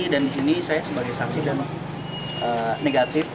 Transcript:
dan disini saya sebagai saksi dan negatif